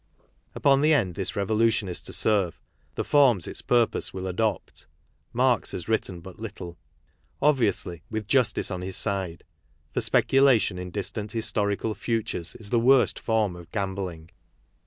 "^ Upon the end this revolution is to serve, the forms its purpose will adopt, Marx has written but little. Obviously, with justice on his side ; for speculation in distant historical futures is the worst form of gambling.